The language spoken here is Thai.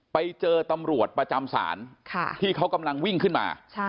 ไปเจอตำรวจประจำศาลที่เขากำลังวิ่งขึ้นมา